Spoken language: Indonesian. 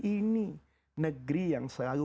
ini negeri yang selalu